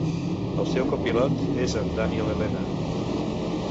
El seu copilot és en Daniel Elena.